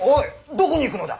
どこに行くのだ！